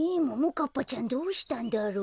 かっぱちゃんどうしたんだろう？